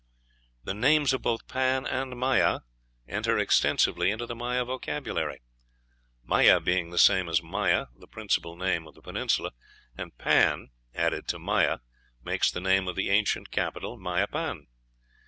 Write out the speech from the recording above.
The names of both Pan and Maya enter extensively into the Maya vocabulary, Maia being the same as Maya, the principal name of the peninsula; and pan, added to Maya, makes the name of the ancient capital Mayapan.